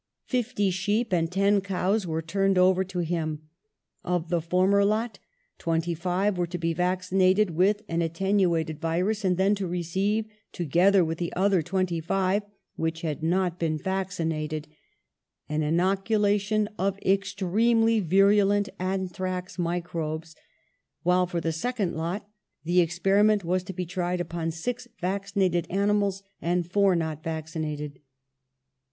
Fifty sheep and ten cows were turned over to him: of the former lot twenty five were to be vaccinated with an attenuated virus and then to receive, together with the other twenty five which had not been vaccinated, an inoculation of extremely virulent anthrax microbes; while for the second lot the experiment was to be tried upon six vaccinated animals and four not vac cinated.